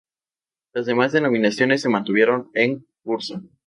Las demás denominaciones se mantuvieron en curso.